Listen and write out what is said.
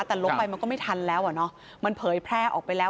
แต่ลบไปมันก็ไม่ทันแล้วอ่ะเนอะมันเผยแพร่ออกไปแล้ว